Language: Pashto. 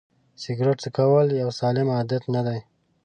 سیګرېټ څکول یو سالم عادت نه دی.